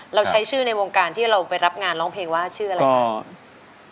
เราใช้ชื่อในวงการที่เราไปรับงานร้องเพลงว่าชื่ออะไรครับ